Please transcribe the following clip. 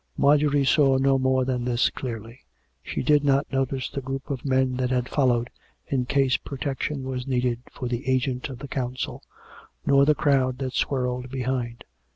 Marjorie saw no more than this clearly. She did not notice the group of men that followed in case protection were needed for the agent of the Council, nor the crowd that swirled behind.